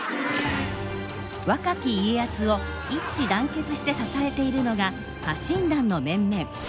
若き家康を一致団結して支えているのが家臣団の面々。